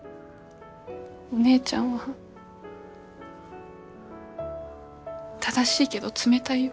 お姉ちゃんは正しいけど冷たいよ。